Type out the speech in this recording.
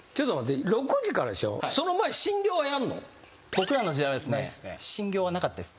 僕らの時代はですね晨行はなかったです。